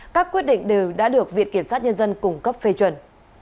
các quyết định đều đã được viện kiểm sát nhân dân cung cấp phê chuẩn